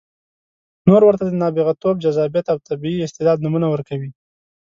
نور ورته د نابغتوب، جذابیت او طبیعي استعداد نومونه ورکوي.